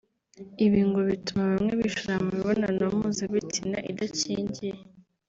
Ibi ngo bituma bamwe bishora mu mibonano mpuzabitsina idakingiye